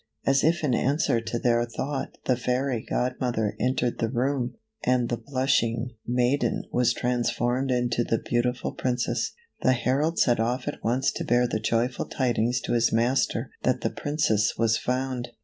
As if in answer to their thought the fairy godmother entered the room, and the blush ing maiden was transformed into the beautiful Princess. The herald set off at once to bear the joyful tidings to his master that the Princess was found.